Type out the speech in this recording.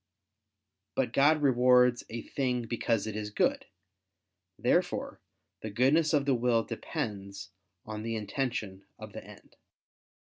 But God rewards a thing because it is good. Therefore the goodness of the will depends on the intention of the end.